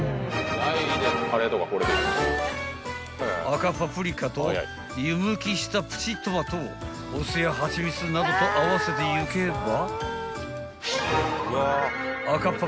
［赤パプリカと湯むきしたプチトマトをお酢や蜂蜜などと合わせていけば］